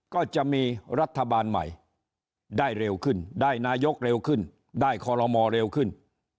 ก็จะมีรัฐบาลใหม่ได้เร็วขึ้นได้นายกเร็วขึ้นได้คอลโลมอเร็วขึ้น